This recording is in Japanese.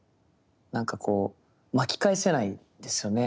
なんかこう巻き返せないですよね